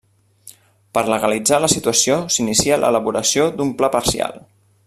Per legalitzar la situació s'inicia l'elaboració d'un Pla Parcial.